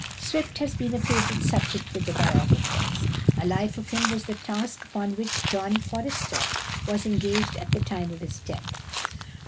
Swift has been a favourite subject with the biographers. A life of him was the task upon which =John Forster (1812 1876)= was engaged at the time of his death.